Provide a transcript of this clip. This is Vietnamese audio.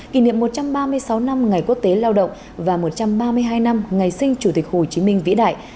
kỷ niệm một trăm ba mươi sáu năm ngày quốc tế lao động và một trăm ba mươi hai năm ngày sinh chủ tịch hồ chí minh vĩ đại